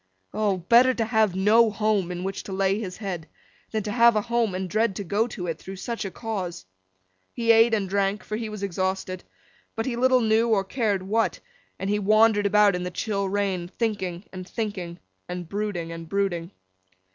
O! Better to have no home in which to lay his head, than to have a home and dread to go to it, through such a cause. He ate and drank, for he was exhausted—but he little knew or cared what; and he wandered about in the chill rain, thinking and thinking, and brooding and brooding.